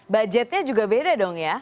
budgetnya juga beda dong ya